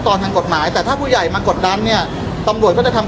พี่แจงในประเด็นที่เกี่ยวข้องกับความผิดที่ถูกเกาหา